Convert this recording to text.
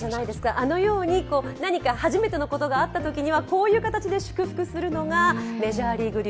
あのように、何か初めてのことがあったときはこのような感じで祝福するのがメジャーリーグ流。